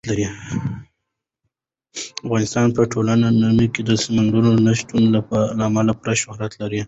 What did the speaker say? افغانستان په ټوله نړۍ کې د سمندر نه شتون له امله پوره شهرت لري.